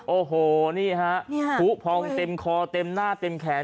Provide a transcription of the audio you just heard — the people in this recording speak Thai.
โอ้โหนี่ฮะผู้พองเต็มคอเต็มหน้าเต็มแขน